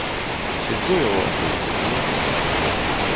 Сяджу я ў вашай студыі.